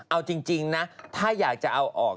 เอาจริงนะถ้าอยากจะเอาออก